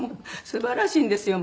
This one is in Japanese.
素晴らしいんですよ。